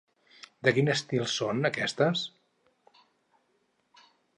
De quin estil són, aquestes?